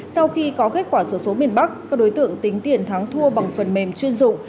sau khi có kết quả số số miền bắc các đối tượng tính tiền thắng thua bằng phần mềm chuyên dụng